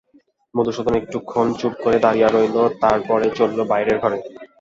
মধুসূদন একটুক্ষণ চুপ করে দাঁড়িয়ে রইল, তার পরে চলল বাইরের ঘরে।